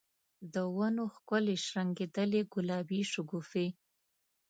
د ونو ښکلي شرنګیدلي ګلابې شګوفي